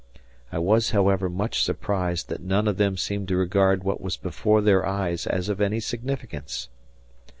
I was, however, much surprised that none of them seemed to regard what was before their eyes as of any significance.